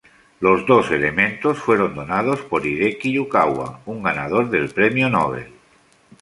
Los dos elementos fueron donados por Hideki Yukawa un ganador del Premio Nobel.